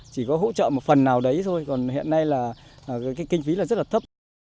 chỉ có hỗ trợ một phần nào đấy thôi còn hiện nay là kinh phí rất là thấp